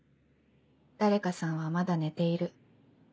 誰かさんはまだ寝ている。